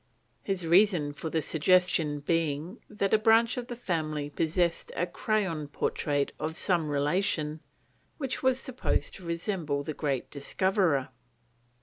His reason for the suggestion being that a branch of the family possessed a crayon portrait of some relation, which was supposed to resemble the great discoverer.